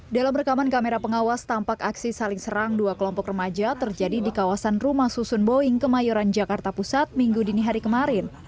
dalam rekaman kamera pengawas tampak aksi saling serang dua kelompok remaja terjadi di kawasan rumah susun boeing kemayoran jakarta pusat minggu dini hari kemarin